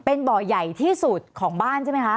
เป็นบ่อใหญ่ที่สุดของบ้านใช่ไหมคะ